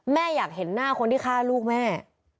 แม่อยากเห็นหน้าคนที่ฆ่าลูกแม่